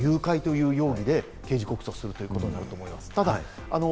未成年者の誘拐という容疑で告訴するということになると思います。